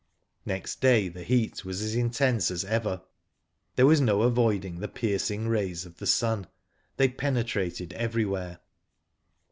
Next day the heat was as intense as ever. There was no avoiding the piercing rays of the sun, they penetrated everywhere.